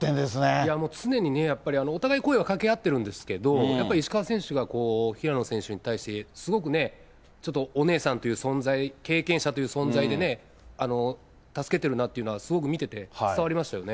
いやもう、常にね、お互い声を掛け合ってるんですけど、やっぱり石川選手が平野選手に対して、すごくお姉さんという存在、経験者という存在でね、助けてるなというのは見ててすごく伝わりましたよね。